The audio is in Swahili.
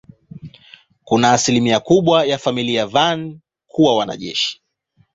Kuna asilimia kubwa ya familia ya Van kuwa wanajeshi.